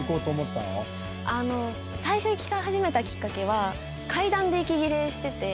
最初行き始めたきっかけは階段で息切れしてて。